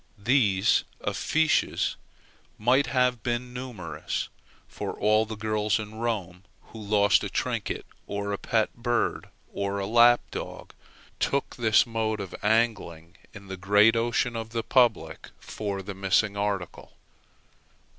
These affiches must have been numerous; for all the girls in Rome who lost a trinket, or a pet bird, or a lap dog, took this mode of angling in the great ocean of the public for the missing articles.